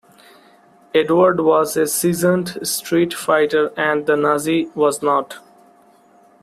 Edward was a seasoned street fighter and the Nazi was not.